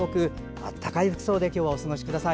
暖かい服装でお過ごしください。